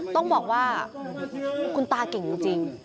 ต้องบอกว่าคุณตาเก่งจริง